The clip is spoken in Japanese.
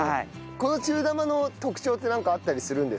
この中玉の特徴ってなんかあったりするんですか？